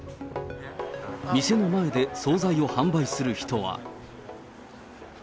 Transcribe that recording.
店の前で総菜を販売する人は。